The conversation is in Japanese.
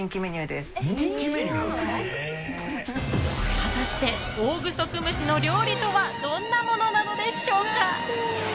果たしてオオグソクムシの料理とはどんなものなのでしょうか。